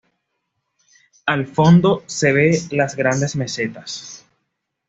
Al fondo se ve las Grandes Mesetas.